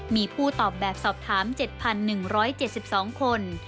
มีผู้ตอบแบบสอบถาม๗๑๗๒คน